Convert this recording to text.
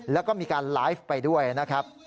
แล้วก็มีการไลฟ์ไปด้วยนะครับ